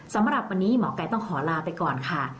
สำหรับวันนี้หมอกัยต้องขอลาไปก่อนค่ะ